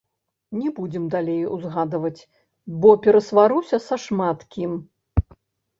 Не будзем далей узгадваць, бо перасваруся з шмат кім.